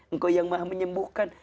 engkau yang maha menyembuhkan